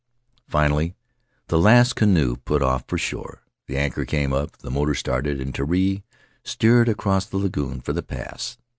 "Finally the last canoe put off for shore; the anchor came up, the motor started, and Terii steered across the lagoon for the pass.